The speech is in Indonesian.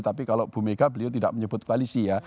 tapi kalau bu mega beliau tidak menyebut koalisi ya